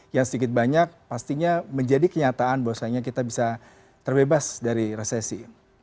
yang sedikit banyak pastinya menjadi kenyataan bahwasanya kita bisa terbebas dari resesi